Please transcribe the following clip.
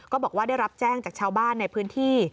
ก็บอกว่าได้รับแจ้งจากชาวบ้านในพื้นที่